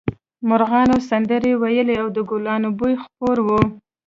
مرغانو سندرې ویلې او د ګلانو بوی خپور و